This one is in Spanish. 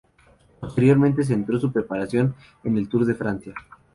Posteriormente centró su preparación en el Tour de Francia.